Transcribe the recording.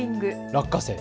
落花生。